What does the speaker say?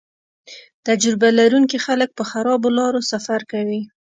تجربه لرونکي خلک په خرابو لارو سفر کوي